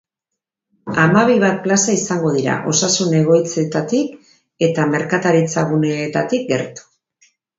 Hamabi bat plaza izango dira, osasun egoitzetatik eta merkataritzaguneetatik gertu.